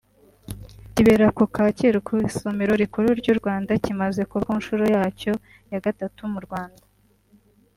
kibera ku Kacyiru ku isomero rikuru ry’u Rwanda kimaze kuba ku nshuro yacyo ya gatatu mu Rwanda